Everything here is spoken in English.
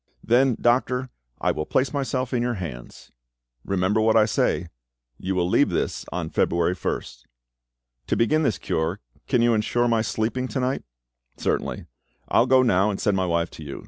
"Then, doctor, I will place myself in your hands." "Remember what I say. You will leave this on February 1st." "To begin this cure, can you ensure my sleeping to night?" "Certainly. I will go now, and send my wife to you.